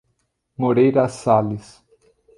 Moreira Sales